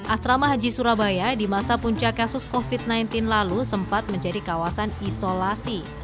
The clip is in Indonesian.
asrama haji surabaya di masa puncak kasus covid sembilan belas lalu sempat menjadi kawasan isolasi